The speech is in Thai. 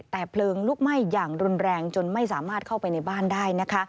แต่เพลิงลูกไหม้จะรุนแรงจนไม่สามารถเข้าไปในบ้านได้